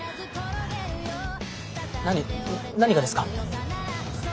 何何がですか？